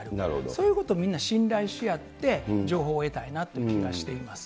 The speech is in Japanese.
そういうことをみんな信頼し合って、情報を得たいなという気がしています。